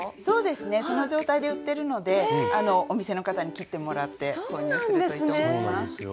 そうですねその状態で売ってるのでお店の方に切ってもらって購入するといいと思います。